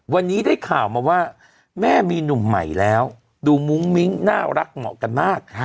วันนี้ได้ข่าวมาว่าแม่มีหนุ่มใหม่แล้วดูมุ้งมิ้งน่ารักเหมาะกันมาก